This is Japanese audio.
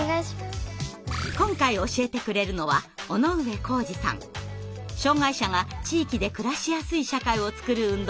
今回教えてくれるのは障害者が地域で暮らしやすい社会を作る運動を続けています。